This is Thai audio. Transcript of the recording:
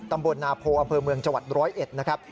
ตำบลนาโพอำเภอเมืองจังหวัด๑๐๑นะครับ